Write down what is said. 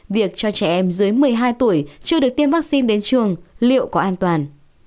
việc cho trẻ em dưới một mươi hai tuổi chưa được tiêm vaccine đến trường liệu có an toàn